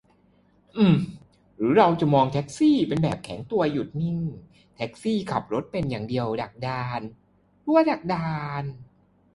อืม หรือเราจะมองแท็กซี่แบบแข็งตัว หยุดนิ่ง แท็กซี่ขับรถเป็นอย่างเดียว ดักดาน ดักดาน ?